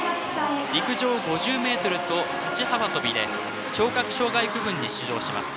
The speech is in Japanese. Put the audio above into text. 陸上５０ｍと立ち幅跳びで聴覚障害区分に出場します。